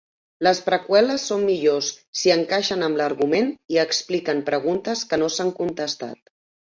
Les preqüeles són millors si encaixen amb l'argument i expliquen preguntes que no s'han contestat.